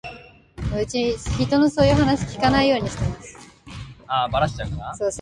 男の視線の先には一斗缶があった。男はぼんやりと一斗缶を眺めていた。